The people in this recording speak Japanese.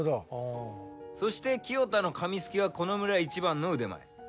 そして喜代多の紙すきはこの村一番の腕前。